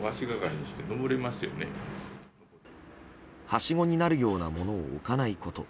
はしごになるようなものを置かないこと。